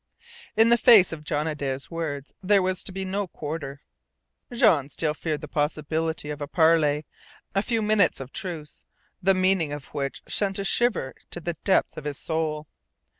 In the face of John Adare's words that there was to be no quarter, Jean still feared the possibility of a parley, a few minutes of truce, the meaning of which sent a shiver to the depths of his soul.